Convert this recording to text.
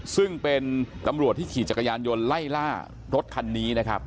ซึ่งเป็นตำรวจที่ขี่จักรยานยนต์ไล่ล่ารถคันนี้นะครับ